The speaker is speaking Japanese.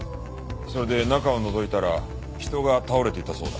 それで中をのぞいたら人が倒れていたそうだ。